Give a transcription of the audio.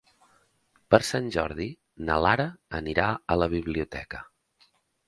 Per Sant Jordi na Lara anirà a la biblioteca.